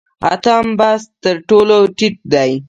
اتم بست تر ټولو ټیټ دی